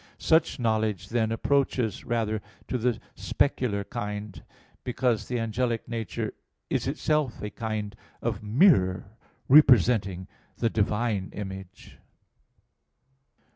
Such knowledge then approaches rather to the specular kind; because the angelic nature is itself a kind of mirror representing the Divine image.